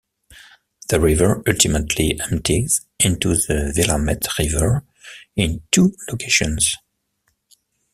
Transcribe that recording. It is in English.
The river ultimately empties into the Willamette River in two locations.